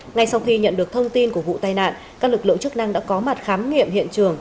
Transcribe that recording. ngay sau khi nhận được thông tin của vụ tai nạn các lực lượng chức năng đã có mặt khám nghiệm hiện trường